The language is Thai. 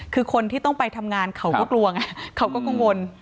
คือคนที่ต้องไปทำงานเขาก็กลัวไงเขาก็กังวล